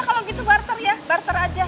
kalau gitu barter ya barter aja